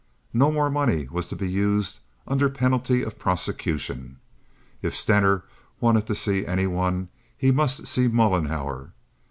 No more money was to be used under penalty of prosecution. If Stener wanted to see any one he must see Mollenhauer.